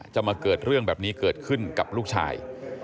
จะมาเกิดเรื่องแบบนี้เกิดขึ้นกับลูกชาย